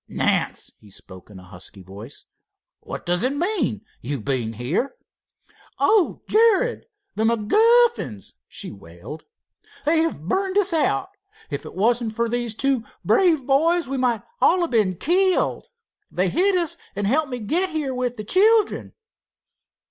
"Nance," he spoke in a husky voice, "what does it mean, you being here?" "Oh, Jared, the MacGuffins!" she wailed. "They have burned us out! If it wasn't for these two brave boys, we might all have been killed! They hid us and helped me get here with the children."